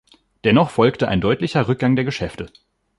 Dennoch folgte ein deutlicher Rückgang der Geschäfte.